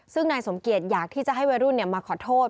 ซึ่งนายสมเกียจอยากที่จะให้วัยรุ่นมาขอโทษ